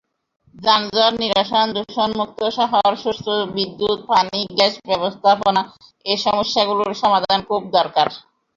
যানজট নিরসন, দূষণমুক্ত শহর, সুষ্ঠু বিদ্যুৎ-পানি-গ্যাস ব্যবস্থাপনা—এ সমস্যাগুলোর সমাধান খুব দরকার।